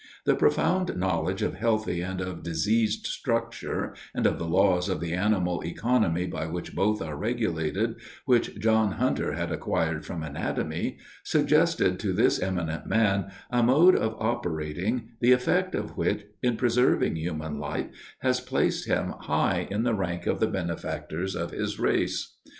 The profound knowledge of healthy and of diseased structure, and of the laws of the animal economy by which both are regulated, which John Hunter had acquired from anatomy, suggested to this eminent man a mode of operating, the effect of which, in preserving human life, has placed him high in the rank of the benefactors of his race.